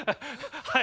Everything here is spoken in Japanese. はい。